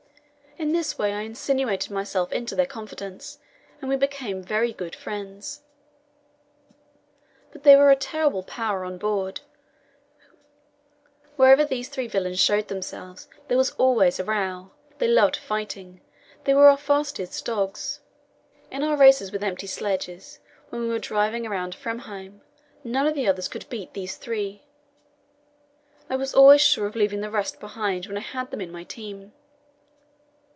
In this way I insinuated myself into their confidence, and we became very good friends. But they were a terrible power on board; wherever these three villains showed themselves, there was always a row. They loved fighting. They were our fastest dogs. In our races with empty sledges, when we were driving around Framheim, none of the others could beat these three. I was always sure of leaving the rest behind when I had them in my team.